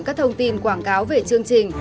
các thông tin quảng cáo về chương trình